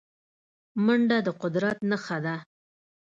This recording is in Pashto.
منډه د قدرت نښه ده